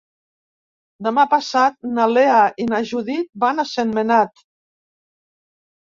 Demà passat na Lea i na Judit van a Sentmenat.